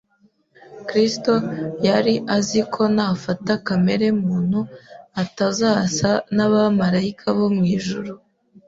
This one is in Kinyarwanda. Kristo yari azi ko nafata kamere muntu atazasa n’abamarayika bo mu ijuru.